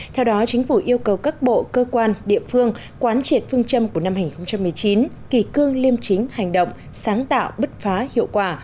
theo đó chính phủ yêu cầu các bộ cơ quan địa phương quán triệt phương châm của năm hai nghìn một mươi chín kỳ cương liêm chính hành động sáng tạo bứt phá hiệu quả